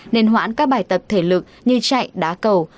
nên hoãn các bài tập thể lực như chạy đá cầu